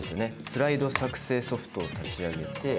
スライド作成ソフトを立ち上げて。